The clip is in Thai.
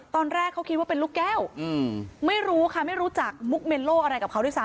ตอนแรกเขาคิดว่าเป็นลูกแก้วไม่รู้ค่ะไม่รู้จักมุกเมลโล่อะไรกับเขาด้วยซ